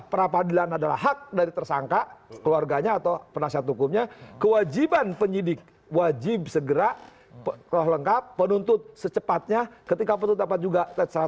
prapradilan adalah hak dari tersangka keluarganya atau penasihat hukumnya kewajiban penyidik wajib segera kelengkap penuntut secepatnya ketika penuntut dapat juga satu ratus sepuluh